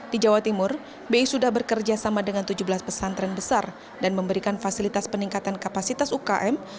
di jawa timur bi sudah bekerja sama dengan tujuh belas pesantren besar dan memberikan fasilitas peningkatan kapasitas ukm